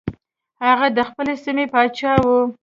هغه د خپلې سیمې پاچا و.